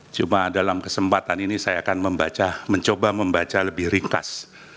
cuma dalam kesempatan ini saya akan mencoba membaca lebih ringkas